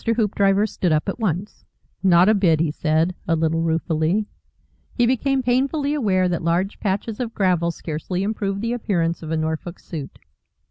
Hoopdriver stood up at once. "Not a bit," he said, a little ruefully. He became painfully aware that large patches of gravel scarcely improve the appearance of a Norfolk suit.